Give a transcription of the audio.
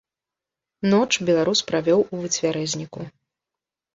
Ноч беларус правёў у выцвярэзніку.